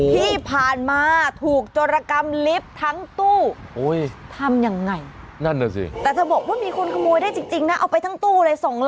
ที่ผ่านมาถูกจรกรรมลิฟทั้งตู้